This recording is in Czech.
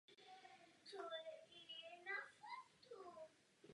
Její rodiče jsou ekonomové a bratr pracuje jako manažer.